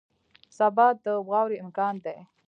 سبا د واورې امکان دی